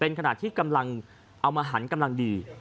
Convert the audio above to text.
เป็นขนาดที่เอามาหันกำลังดี